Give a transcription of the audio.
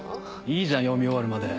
いいじゃん読み終わるまで。